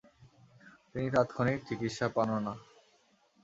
তিনি তাৎক্ষণিক চিকিৎসা পানও না।